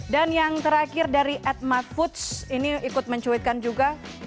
dan yang terakhir dari atma foods ini ikut mencuitkan juga